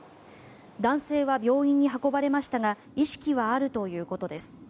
男性は病院に運ばれましたが意識はあるということです。